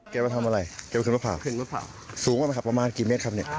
เก็บมาทำอะไรเก็บมาขึ้นมะพร้าวขึ้นมะพร้าวสูงมากันค่ะประมาณกี่เมตรครับเนี่ย